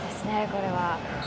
これは。